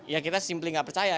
ya kita simply nggak percaya